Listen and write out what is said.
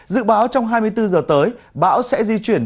dự báo trong hai mươi bốn giờ tới bão sẽ di chuyển